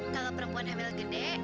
kalau perempuan hamil gede